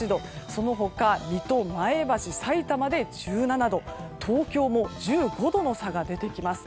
その他、水戸、前橋、さいたまで１７度東京も１５度の差が出てきます。